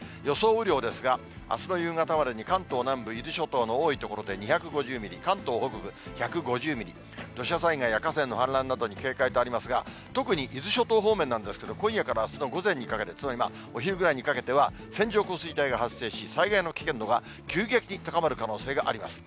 雨量ですが、あすの夕方までに関東南部、伊豆諸島の多い所で２５０ミリ、関東北部１５０ミリ、土砂災害や河川の氾濫などに警戒とありますが、特に伊豆諸島方面なんですけれども、今夜からあすの午前にかけて、つまりお昼ぐらいにかけては、線状降水帯が発生し、災害の危険度が急激に高まる可能性があります。